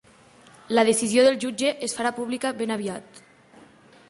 La decisió del jutge es farà pública ben aviat.